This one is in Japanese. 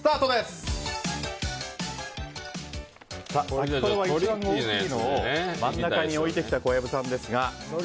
先ほどは一番大きいのを真ん中に置いてきた小籔さん。